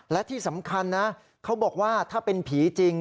และที่สำคัญนะเขาบอกว่าถ้าเป็นผีจริง